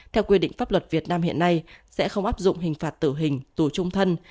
theo quy định pháp luật việt nam hiện nay sẽ không áp dụng hình phạt tử hình tù trung thân